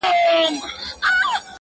• اوس هره شپه سپينه سپوږمۍ ـ